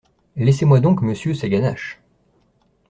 Laissez-moi donc, Monsieur, ces ganaches.